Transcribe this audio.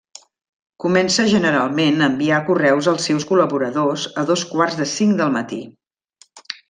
Comença generalment a enviar correus als seus col·laboradors a dos quarts de cinc del matí.